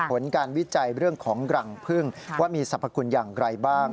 ผลการวิจัยเรื่องของรังพึ่งว่ามีสรรพคุณอย่างไรบ้าง